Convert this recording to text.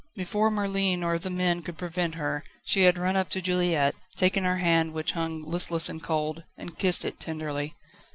Before Merlin or the men could prevent her, she had run up to Juliette, taken her hand, which hung listless and cold, and kissed it tenderly.